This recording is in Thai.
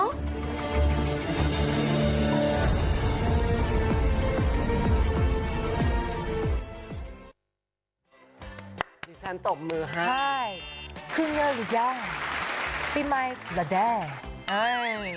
ดิฉันตบมือให้คุณเงินหรือยังพี่มิคระแดน